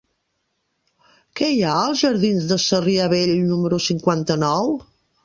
Què hi ha als jardins de Sarrià Vell número cinquanta-nou?